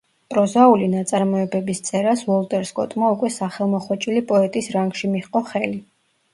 პროზაული ნაწარმოებების წერას უოლტერ სკოტმა უკვე სახელმოხვეჭილი პოეტის რანგში მიჰყო ხელი.